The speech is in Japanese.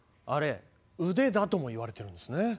あれ腕だともいわれてるんですね。